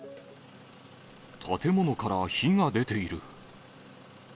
建物から火が出ている。